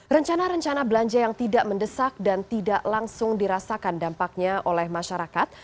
rencana rencana belanja yang tidak mendesak dan tidak langsung dirasakan dampaknya oleh masyarakat